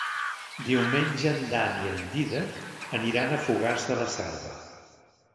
Diumenge en Dan i en Dídac aniran a Fogars de la Selva.